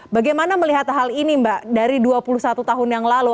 bagaimana melihat hal ini mbak dari dua puluh satu tahun yang lalu